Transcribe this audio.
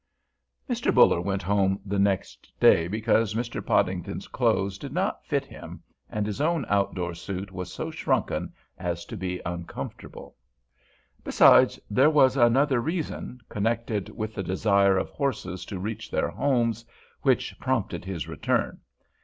Mr. Buller went home the next day, because Mr. Podington's clothes did not fit him, and his own outdoor suit was so shrunken as to be uncomfortable. Besides, there was another reason, connected with the desire of horses to reach their homes, which prompted his return.